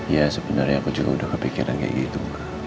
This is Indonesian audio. ya sebenarnya aku juga udah kepikiran kayak gitu